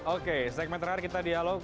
oke segmen terakhir kita dialog